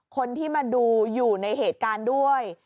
คนที่มาดูอยู่ในเหตุการณ์ด้วย